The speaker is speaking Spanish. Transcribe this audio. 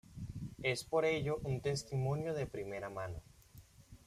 Es por ello un testimonio de primera mano.